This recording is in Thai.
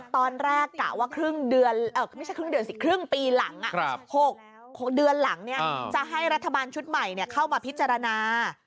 ตอนแรกกะว่าครึ่งปีหลัง๖เดือนหลังจะให้รัฐบาลชุดใหม่เข้ามาพิจารณา